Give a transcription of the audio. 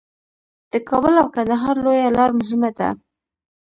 د کابل او کندهار لویه لار مهمه ده